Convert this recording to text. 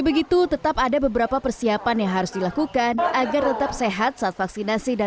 begitu tetap ada beberapa persiapan yang harus dilakukan agar tetap sehat saat vaksinasi dan